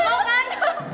gak mau kan